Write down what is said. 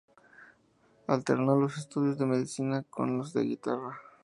Alternó los estudios de medicina con los de guitarra.